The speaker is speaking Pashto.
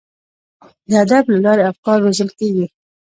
د ادب له لارې افکار روزل کیږي.